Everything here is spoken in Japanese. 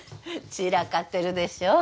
散らかってるでしょ